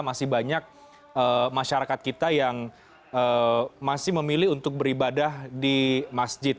masih banyak masyarakat kita yang masih memilih untuk beribadah di masjid